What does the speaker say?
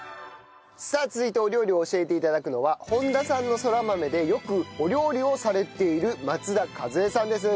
さあ続いてお料理を教えて頂くのは本田さんのそら豆でよくお料理をされている松田和恵さんです。